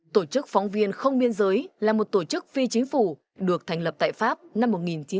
tổ chức phóng viên không biên giới là một tổ chức phi chính phủ được thành lập tại pháp năm một nghìn chín trăm tám mươi hai